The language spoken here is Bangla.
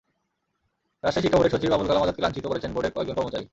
রাজশাহী শিক্ষা বোর্ডের সচিব আবুল কালাম আজাদকে লাঞ্ছিত করেছেন বোর্ডের কয়েকজন কর্মচারী।